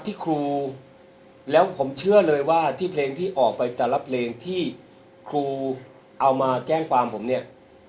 ที่ครูแล้วผมเชื่อเลยว่าที่เพลงที่ออกไปแต่ละเพลงที่ครูเอามาแจ้งความผมเนี่ย